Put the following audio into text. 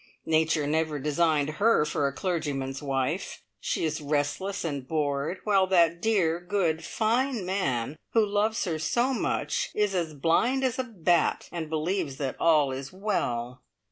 Nature never designed her for a clergyman's wife; she is restless and bored, while that dear, good, fine man, who loves her so much, is as blind as a bat, and believes that all is well.